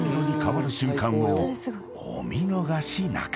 ［お見逃しなく］